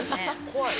怖い。